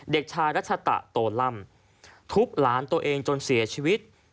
เด็กชายรัชตะโตล่ำทุบหลานตัวเองจนเสียชีวิต